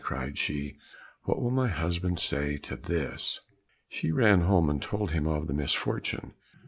cried she; "what will my husband say to this?" She ran home and told him of the misfortune.